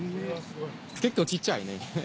結構小っちゃいね。